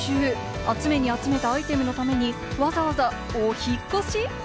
集めに集めたアイテムのために、わざわざお引っ越し？